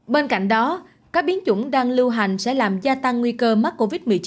bên cạnh đó các biến chủng đang lưu hành sẽ làm gia tăng nguy cơ mắc covid một mươi chín